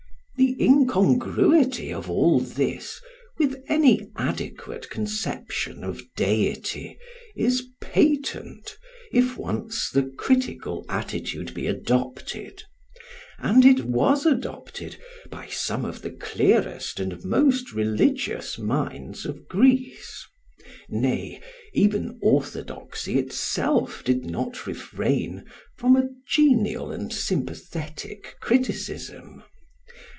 The incongruity of all this with any adequate conception of deity is patent, if once the critical attitude be adopted; and it was adopted by some of the clearest and most religious minds of Greece. Nay, even orthodoxy itself did not refrain from a genial and sympathetic criticism.